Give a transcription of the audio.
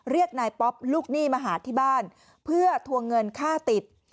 เรียกนายป๊อปลูกหนี้มาหาที่บ้านเพื่อทวงเงินค่าติด